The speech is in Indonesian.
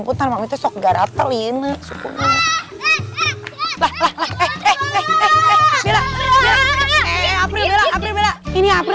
tunggu dulu kita nyariin ma